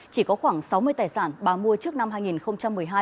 chỉ có khoảng sáu mươi tài sản bà mua trước năm hai nghìn một mươi hai